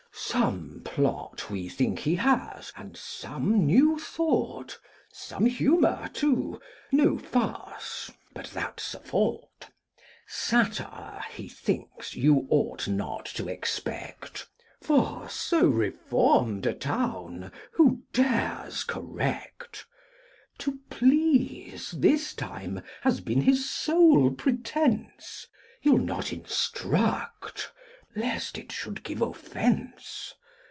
Some plot we think he has, and some new thought; Some humour too, no farce—but that's a fault. Satire, he thinks, you ought not to expect; For so reformed a town who dares correct? To please, this time, has been his sole pretence, He'll not instruct, lest it should give offence.